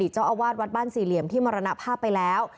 เจ้าอาวาสวัดบ้านสี่เหลี่ยมที่มรณภาพไปแล้ว